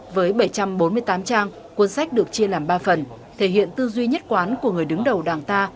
với bảy trăm bốn mươi tám trang cuốn sách được chia làm ba phần thể hiện tư duy nhất quán của người đứng đầu đảng ta